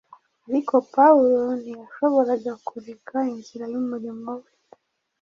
Ariko Pawulo ntiyashoboraga kureka inzira y’umurimo we